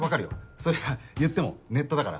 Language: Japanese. それはいってもネットだから。